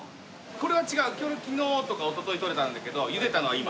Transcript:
これ昨日とかおとといとれたんだけど茹でたのは今。